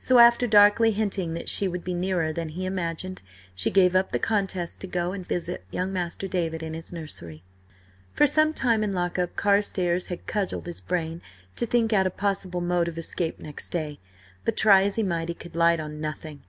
So after darkly hinting that she would be nearer than he imagined, she gave up the contest to go and visit young Master David in his nursery. For some time in lock up Carstares had cudgelled his brain to think out a possible mode of escape next day, but try as he might he could light on nothing.